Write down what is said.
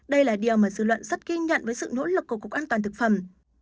đây là điều mà dư luận rất kinh nhận với sự nỗ lực của cục an toàn thực phẩm